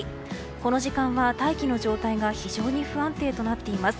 この時間は、大気の状態が非常に不安定となっています